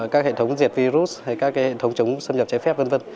các hệ thống diệt virus hay các hệ thống chống xâm nhập trái phép v v